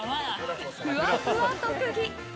ふわふわ特技。